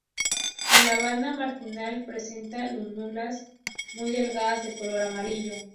En la banda marginal presenta lúnulas muy delgadas de color amarillo.